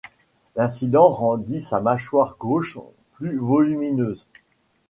L'incident rendit sa mâchoire gauche plus volumineuse.